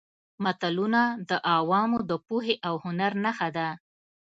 متلونه د عوامو د پوهې او هنر نښه ده